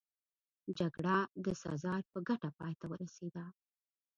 جګړه د سزار په ګټه پای ته ورسېده.